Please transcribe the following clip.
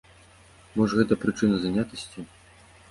Можа гэта прычына занятасці?